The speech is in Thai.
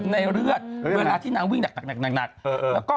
ในเรือดเวลาที่นางวิ่งหนัก